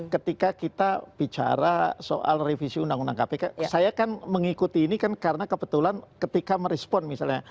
ketika kita bicara soal revisi undang undang kpk saya kan mengikuti ini kan karena kebetulan ketika merespon misalnya